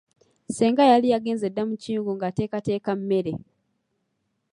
Ssenga yali yagenze dda mu kiyungu ng'ateekateeka mmere.